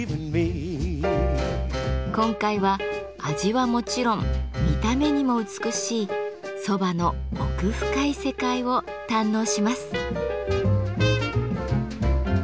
今回は味はもちろん見た目にも美しい蕎麦の奥深い世界を堪能します。